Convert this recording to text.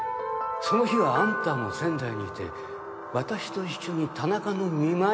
その日はあんたも仙台にいて私と一緒に田中の見舞いに行った事にしよう。